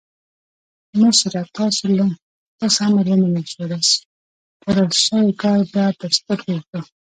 مشره تاسو امر ومنل شو؛ راسپارل شوی کار به پر سترګو وکړم.